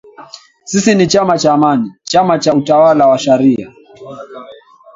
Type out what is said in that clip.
“Sisi ni chama cha Amani, chama cha utawala wa sharia